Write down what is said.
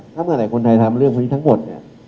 ถ้าเมื่อไหร่คนไทยทำเรื่องพวกนี้ทั้งหมดเนี่ย